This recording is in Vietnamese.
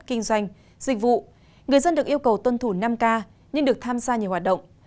kinh doanh dịch vụ người dân được yêu cầu tuân thủ năm k nhưng được tham gia nhiều hoạt động